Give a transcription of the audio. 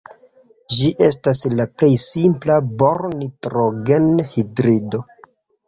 Ĝi estas la plej simpla bor-nitrogen-hidrido.